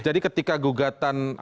jadi ketika gugatan